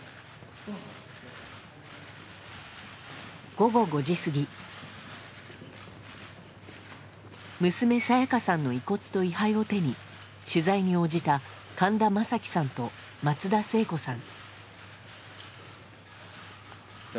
午後５時過ぎ娘・沙也加さんの遺骨と位牌を手に取材に応じた神田正輝さんと松田聖子さん。